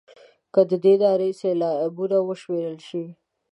که د دې نارې سېلابونه وشمېرل شي.